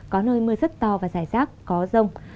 có nơi mưa rất to và rải rác có rông